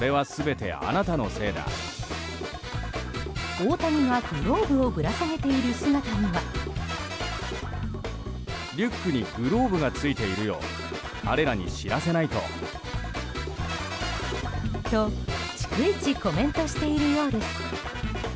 大谷がグローブをぶら下げている姿には。と、逐一コメントしているようです。